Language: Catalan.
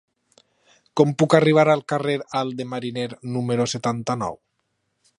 Com puc arribar al carrer Alt de Mariner número setanta-nou?